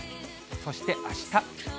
そしてあした。